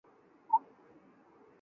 离散政治是离散学的一部份。